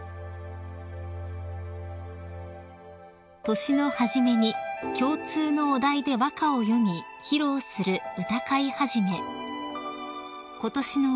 ［年の初めに共通のお題で和歌を詠み披露する歌会始］